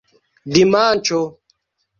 dimanĉo